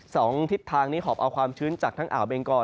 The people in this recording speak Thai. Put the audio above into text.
สองทิศทางนี้หอบเอาความชื้นจากทั้งอ่าวเบงกอ